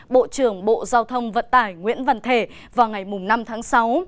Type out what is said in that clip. bộ trưởng bộ giao thông vận tải nguyễn văn thể vào ngày năm tháng sáu